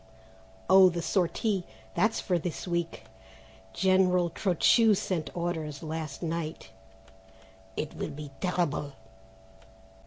"Oh, the sortie, that's for this week. General Trochu sent orders last night." "It will be terrible."